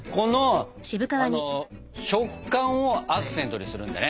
この食感をアクセントにするんだね？